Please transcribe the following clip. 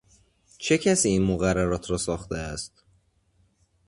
چه کسی این مقررات را ساخته است؟